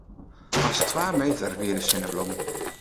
Hast twa meter wie de sinneblom.